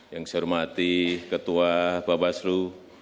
yang saya hormati ketua bapak ibu